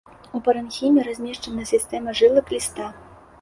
У парэнхіме размешчана сістэма жылак ліста.